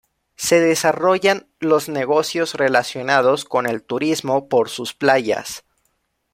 Se desarrollan los negocios relacionados con el turismo por sus playas.